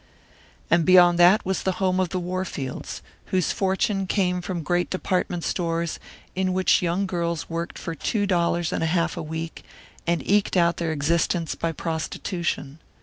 And beyond that was the home of the Warfields, whose fortune came from great department stores, in which young girls worked for two dollars and a half a week, and eked out their existence by prostitution.